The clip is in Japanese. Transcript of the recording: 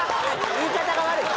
言い方が悪い！